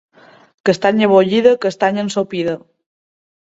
Castanya bullida, castanya ensopida.